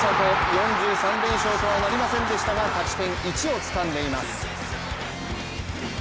４３連勝とはなりませんでしたが勝ち点１をつかんでいます。